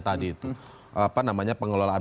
tadi itu apa namanya pengelolaan